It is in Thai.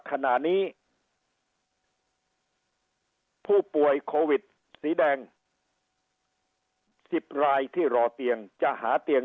ขณะนี้ผู้ป่วยโควิดสีแดง๑๐รายที่รอเตียงจะหาเตียง